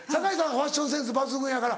ファッションセンス抜群やから。